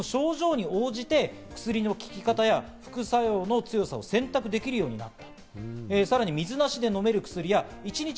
症状に応じて薬の効き方や副作用の強さを選択できるようになった。